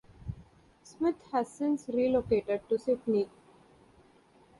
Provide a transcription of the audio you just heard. Smith has since relocated to Sydney.